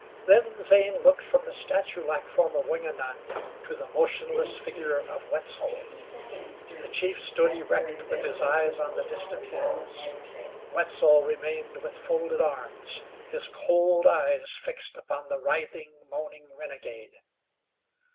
Then Zane looked from the statuelike form of Wingenund to the motionless figure of Wetzel. The chief stood erect with his eyes on the distant hills. Wetzel remained with folded arms, his cold eyes fixed upon the writhing, moaning renegade.